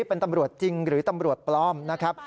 เป็นตำรวจจริงหรือตำรวจปลอมนะครับ